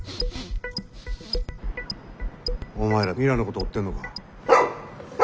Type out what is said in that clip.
お前らミラのこと追ってんのか？